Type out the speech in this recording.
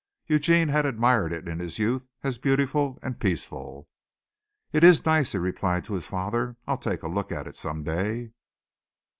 Eugene had admired it in his youth as beautiful and peaceful. "It is nice," he replied to his father. "I'll take a look at it some day."